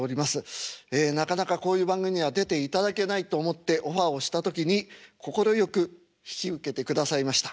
なかなかこういう番組には出ていただけないと思ってオファーをした時に快く引き受けてくださいました。